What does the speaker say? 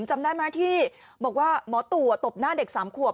จำได้ไหมที่บอกว่าหมอตู่ตบหน้าเด็ก๓ขวบ